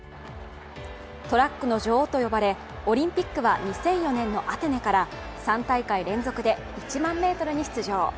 トラックの女王と呼ばれオリンピックは２００４年のアテネから３大会連続で１００００ｍに出場。